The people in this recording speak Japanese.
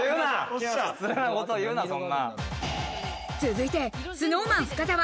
続いてＳｎｏｗＭａｎ深澤。